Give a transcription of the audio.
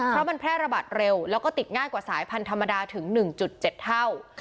เพราะมันแพร่ระบาดเร็วแล้วก็ติดง่ายกว่าสายพันธุ์ธรรมดาถึง๑๗เท่า